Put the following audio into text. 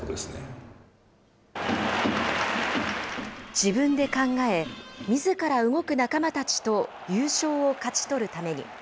自分で考え、みずから動く仲間たちと優勝を勝ち取るために。